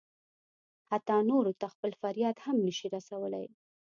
حتی نورو ته خپل فریاد هم نه شي رسولی.